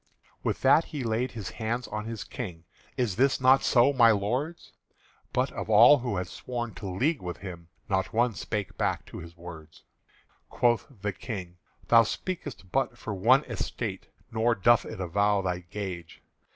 With that he laid his hands on his King: "Is this not so, my lords?" But of all who had sworn to league with him Not one spake back to his words. Quoth the King: "Thou speak'st but for one Estate, Nor doth it avow thy gage.